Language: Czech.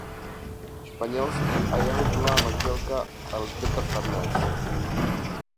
Španělský a jeho druhá manželka Alžběta Farnese.